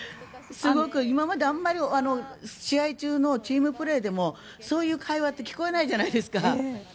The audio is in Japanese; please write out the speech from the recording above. すごく今まであまり試合中のチームプレーでもそういう会話って聞こえないじゃないですか。